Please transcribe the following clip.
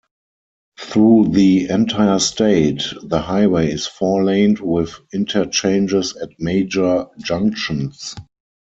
Through the entire state, the highway is four-laned with interchanges at major junctions.